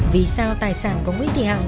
vì sao tài sản của nguyễn thị hằng